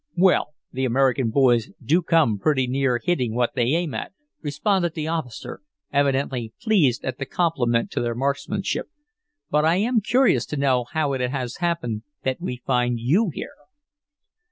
"Well, the American boys do come pretty near hitting what they aim at," responded the officer, evidently pleased at the compliment to their marksmanship. "But I am curious to know how it has happened that we find you here."